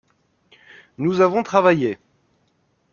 Nous avons travaillé.